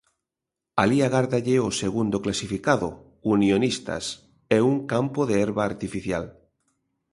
Alí agárdalle o segundo clasificado, Unionistas, e un campo de herba artificial.